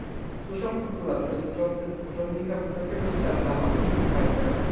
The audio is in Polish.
Słyszę postulat dotyczący urzędnika wysokiego szczebla od innych partnerów